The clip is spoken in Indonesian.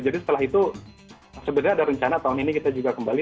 jadi setelah itu sebenarnya ada rencana tahun ini kita juga kembali